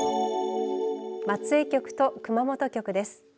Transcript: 松江局と熊本局です。